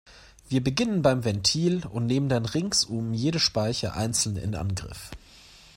Wir beginnen beim Ventil und nehmen dann ringsum jede Speiche einzeln in Angriff.